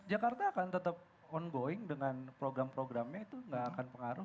jakarta akan tetap ongoing dengan program programnya itu nggak akan pengaruh